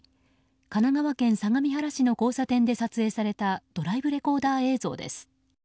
神奈川県相模原市の交差点で撮影されたドライブレコーダー映像です。